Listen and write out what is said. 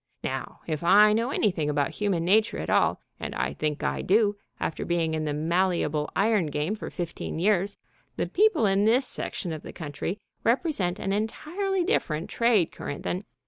Now, if I know anything about human nature at all and I think I do, after being in the malleable iron game for fifteen years the people in this section of the country represent an entirely different trade current than...."